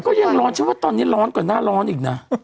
ก็ยังร้อนฉันว่าตอนนี้ร้อนกว่าหน้าร้อนอีกนะ